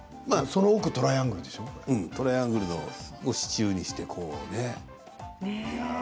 その奥はトライアングルでトライアングルを支柱にしてね。